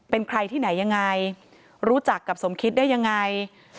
เป็นใครที่ไหนยังไงรู้จักกับสมคิดได้ยังไง